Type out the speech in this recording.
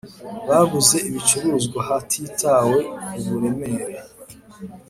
Baguze ibicuruzwa hatitawe ku buremere.